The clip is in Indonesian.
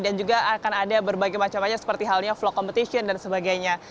dan juga akan ada berbagai macam macam seperti halnya vlog competition dan sebagainya